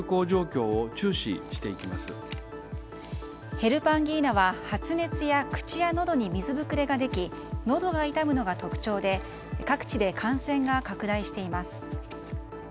ヘルパンギーナは発熱や口やのどに水ぶくれができのどが痛むのが特徴で各地で感染が拡大しています。